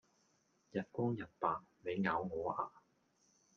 日光日白,你咬我呀?